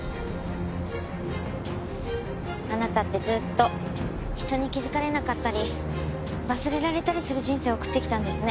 あなたってずっと人に気づかれなかったり忘れられたりする人生を送ってきたんですね。